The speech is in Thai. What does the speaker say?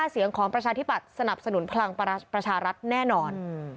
เสียงของประชาธิบัตย์สนับสนุนพลังประชารัฐแน่นอน